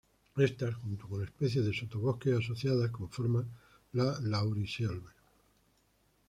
Éstas, junto con especies de sotobosque asociadas conforman la laurisilva.